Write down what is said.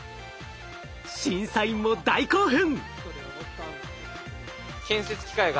審査員も大興奮。